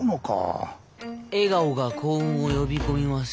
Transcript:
「笑顔が幸運を呼び込みます」。